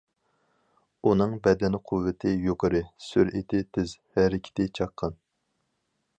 ئۇنىڭ بەدەن قۇۋۋىتى يۇقىرى، سۈرئىتى تېز، ھەرىكىتى چاققان.